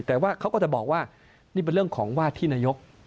แต่ว่าเขาก็จะบอกว่านี่เป็นเรื่องของว่าที่นายก